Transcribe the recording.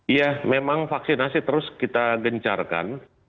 iya memang vaksinasi terus kita gencarkan